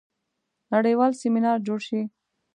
نړیوال سیمینار جوړ شي.